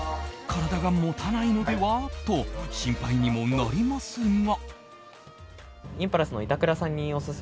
体が持たないのでは？と心配にもなりますが。